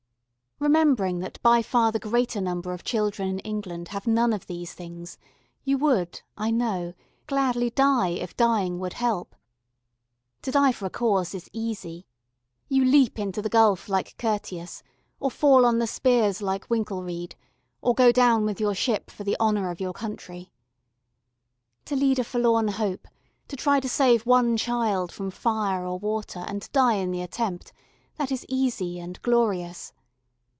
Remembering that by far the greater number of children of England have none of these things, you would, I know, gladly die if dying would help. To die for a cause is easy you leap into the gulf like Curtius, or fall on the spears like Winkelried, or go down with your ship for the honour of your country. To lead a forlorn hope, to try to save one child from fire or water, and die in the attempt that is easy and glorious.